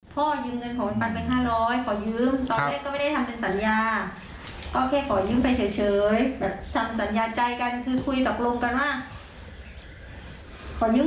พ่อยืมเงินของมันไป๕๐๐ขอยืม